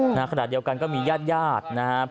ขนาดเดียวกันก็มีญาตินะฮะ